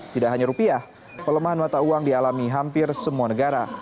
tidak hanya rupiah pelemahan mata uang dialami hampir semua negara